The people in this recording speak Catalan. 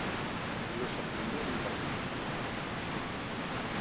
No se'l treia ni per dormir.